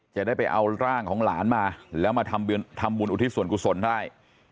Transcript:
จะได้ไปเอาร่างของหลานมาแล้วมาทำบุญอุทิศส่วนกุศลได้